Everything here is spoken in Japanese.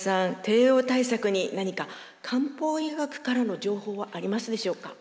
低栄養対策に何か漢方医学からの情報はありますでしょうか？